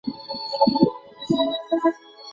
法韦罗莱。